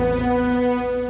sudah juga buruk